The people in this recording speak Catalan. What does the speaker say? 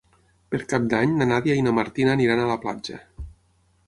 Per Cap d'Any na Nàdia i na Martina aniran a la platja.